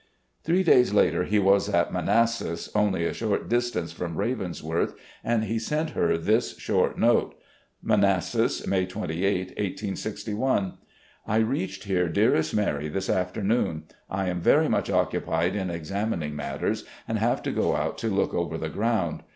Three days later he was at Manassas, only a short dis tance from Ravensworth, and he sent her this short note : "Manassas, May 28, 1861. " I reached here, dearest Mary, this afternoon. I am very much occupied in examining matters, and have to go out to look over the ground.